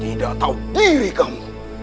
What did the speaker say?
tidak tahu diri kamu